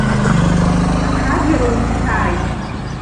Аҽаџьара умцааит.